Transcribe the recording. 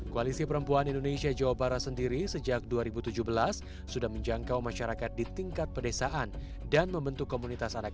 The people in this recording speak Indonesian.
koalisi perempuan indonesia jawa barat sendiri sejak dua ribu tujuh belas sudah menjangkau masyarakat di tingkat pedesaan dan membentuk komunitas anak